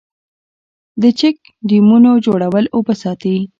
د چک ډیمونو جوړول اوبه ساتي